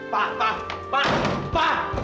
pak pak pak pak